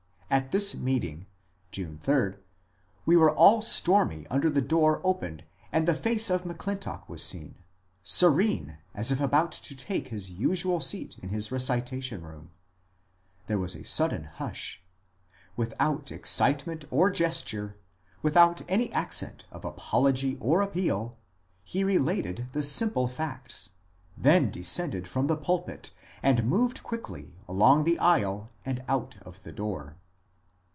At this meeting (June 8) we were all stormy until the door opened and the face of M'Clin tock was seen, serene as if about to take his usual seat in his recitation room. There was a sudden hush. Without excite ment or gesture, without any accent of apology or of appeal, he related the simple facts, then descended from the pulpit and moved quickly along the aisle and out of the door.